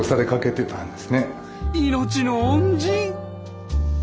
命の恩人！